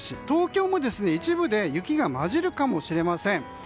東京も一部で雪が交じるかもしれません。